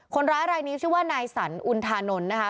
คนร้ายรายนี้ชื่อว่านายสันอุณธานนท์นะคะ